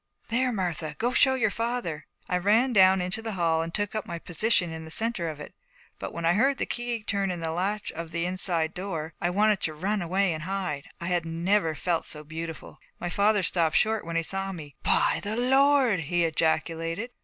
'There, Martha! Go show your father.' I ran down into the hall and took up my position in the centre of it; but when I heard the key turn in the latch of the inside door I wanted to run away and hide. I had never felt so beautiful. My father stopped short when he saw me. 'By the Lord!' he ejaculated.